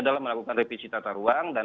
dalam melakukan revisi tata ruang dan